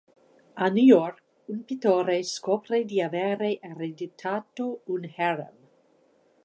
A New York, un pittore scopre di avere ereditato un harem.